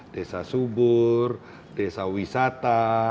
desa subur desa wisata